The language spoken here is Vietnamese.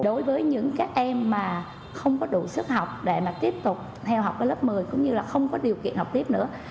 đối với những các em mà không có đủ sức học để mà tiếp tục theo học ở lớp một mươi cũng như là không có điều kiện học tiếp nữa